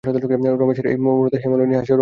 রমেশের এই মূঢ়তায় হেমনলিনী হাসে, রমেশও হাসে।